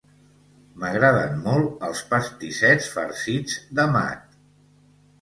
M'agraden molt els pastissets farcits de mat